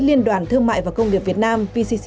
liên đoàn thương mại và công nghiệp việt nam